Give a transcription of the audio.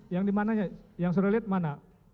yang dimana yang sudah lihat mana